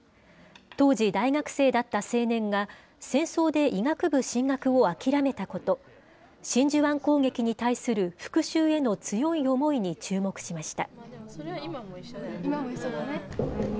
当時、大学生だった青年が、戦争で医学部進学を諦めたこと、真珠湾攻撃に対する復しゅうへの強い思いに注目しました。